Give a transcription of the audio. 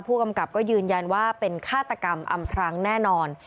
ผู้กำกับก็ยืนยันว่าเป็นฆาตกรรมอำพรางแน่นอน